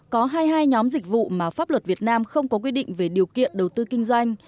có hai mươi hai nhóm dịch vụ mà pháp luật việt nam không có quy định về điều kiện đầu tư kinh doanh